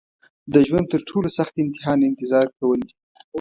د ژوند تر ټولو سخت امتحان انتظار کول دي.